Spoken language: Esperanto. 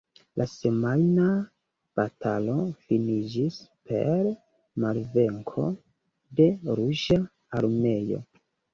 La semajna batalo finiĝis per malvenko de Ruĝa Armeo.